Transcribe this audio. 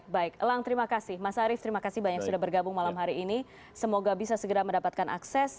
baik elang terima kasih mas arief terima kasih banyak sudah bergabung malam hari ini semoga bisa segera mendapatkan akses